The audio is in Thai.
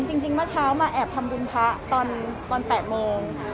จริงเมื่อเช้ามาแอบทำบุญพระตอน๘โมง